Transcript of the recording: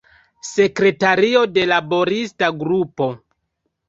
Sekretario de laborista grupo.